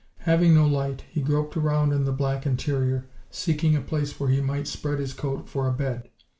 Having no light, he groped around in the black interior, seeking a place where he might spread his coat for a bed.